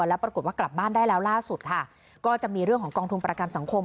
แล้วปรากฏว่ากลับบ้านได้แล้วล่าสุดค่ะก็จะมีเรื่องของกองทุนประกันสังคม